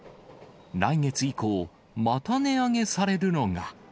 来月以降、また値上げされるのが。